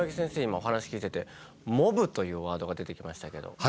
今お話聞いてて「モブ」というワードが出てきましたけど。